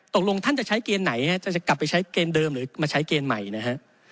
ตกลงท่านจะใช้เกณฑ์ไหนจะกลับไปใช้เกณฑ์เดิมหรือมาใช้เกณฑ์ใหม่นะฮะ